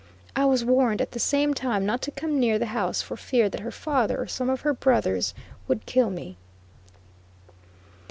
I was warned, at the same time, not to come near the house, for fear that her father or some of her brothers would kill me.